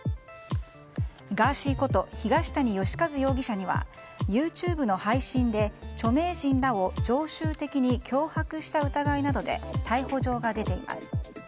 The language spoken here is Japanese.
ガーシーこと東谷義和容疑者にはＹｏｕＴｕｂｅの配信で著名人らを常習的に脅迫した疑いなどで逮捕状が出ています。